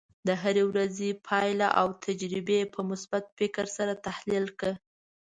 د هرې ورځې پایله او تجربې په مثبت فکر سره تحلیل کړه.